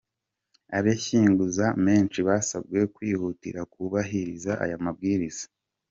Abishyuzaga menshi basabwe kwihutira kubahiriza aya mabwiriza.